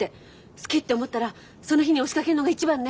好きって思ったらその日に押しかけるのが一番ね！